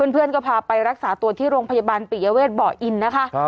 เพื่อนก็พาไปรักษาตัวที่โรงพยาบาลปิยเวทบ่ออินนะคะ